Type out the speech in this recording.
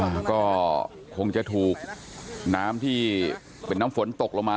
อ่าก็คงจะถูกน้ำที่เป็นน้ำฝนตกลงมา